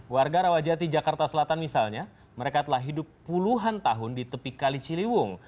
warga rawajati jakarta selatan misalnya mereka telah hidup puluhan tahun di tepi kali ciliwung